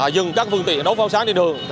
dừng các phương tiện đấu pháo sáng trên đường